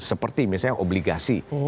seperti misalnya obligasi